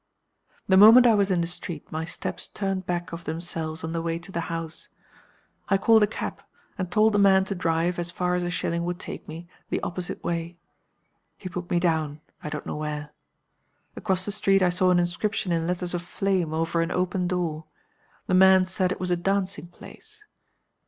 The moment I was in the street my steps turned back of themselves on the way to the house. I called a cab, and told the man to drive (as far as a shilling would take me) the opposite way. He put me down I don't know where. Across the street I saw an inscription in letters of flame over an open door. The man said it was a dancing place.